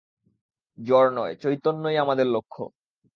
জড় নয়, চৈতন্যই আমাদের লক্ষ্য।